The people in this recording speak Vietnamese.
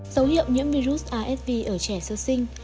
dấu hiệu nhiễm virus asv ở trẻ sơ sinh